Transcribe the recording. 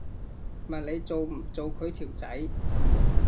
問你做唔做佢條仔